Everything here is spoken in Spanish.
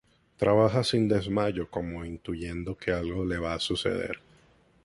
Trabaja sin desmayo, como intuyendo que algo le va a suceder.